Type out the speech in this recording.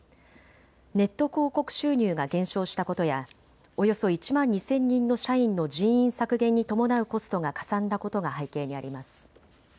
ネット広告収入が減少したことやおよそ１万２０００人の社員の人員削減に伴うコストがかさんだことが背景にあります。